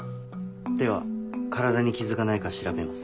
では体に傷がないか調べます。